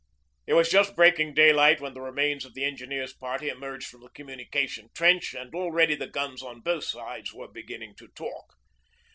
It was just breaking daylight when the remains of the Engineers' party emerged from the communication trench and already the guns on both sides were beginning to talk.